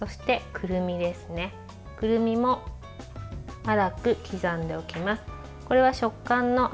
くるみも粗く刻んでおきます。